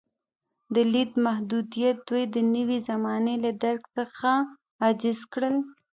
د لید محدودیت دوی د نوې زمانې له درک څخه عاجز کړل.